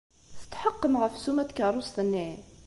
Tetḥeqqem ɣef ssuma n tkeṛṛust-nni?